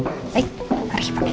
baik mari pak nino